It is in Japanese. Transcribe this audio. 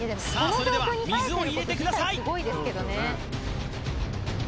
それでは水を入れてください